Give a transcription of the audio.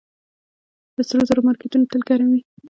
د سرو زرو مارکیټونه تل ګرم وي